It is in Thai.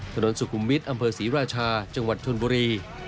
ถนนสุขุมวิทย์อำเภอศรีราชาจังหวัดชนบุรี